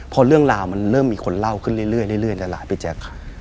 พอเรื่องราวมันเริ่มมีคนเล่าขึ้นเรื่อยแล้วล่ะพี่แจ๊ค